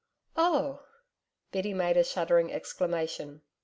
oh!' Biddy made a shuddering exclamation.